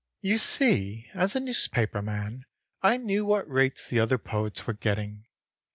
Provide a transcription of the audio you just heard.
"You see, as a newspaper man I knew what rates the other poets were getting.